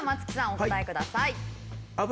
お答えください。